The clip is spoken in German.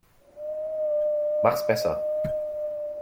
Mach's besser.